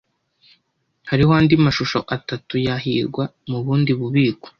Hariho andi mashusho atatu ya hirwa mubundi bubiko.